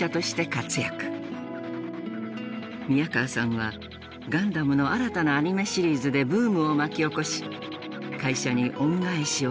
宮河さんはガンダムの新たなアニメシリーズでブームを巻き起こし会社に恩返しをしました。